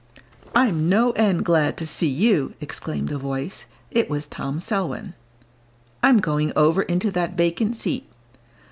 "I'm no end glad to see you!" exclaimed a voice. It was Tom Selwyn. "I'm going over into that vacant seat."